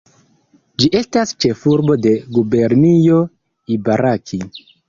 Ĝi estas ĉefurbo de gubernio Ibaraki.